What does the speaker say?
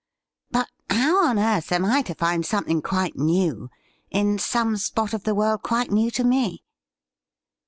' Rut how on earth am I to find something quite new in some spot of the world quite new to me